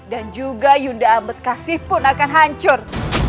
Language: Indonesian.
dan juga yunda ambedkasih pun akan hancur